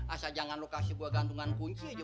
asal jangan lo kasih gua gantungan kunci aja